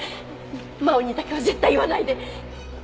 真央にだけは絶対言わないで。